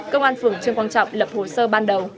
công an phường trương quang trọng lập hồ sơ ban đầu